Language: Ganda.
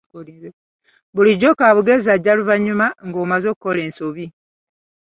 Bulijjo kaabugezi ajja luvannyuma ng'omaze okukola ensobi.